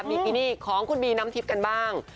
บีกินี่ของคุณบีน้ำทิพย์กันบ้าง